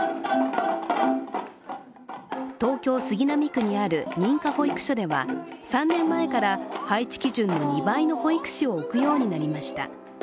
東京・杉並区にある認可保育所では３年前から配置基準の２倍の保育士を置くようになりました。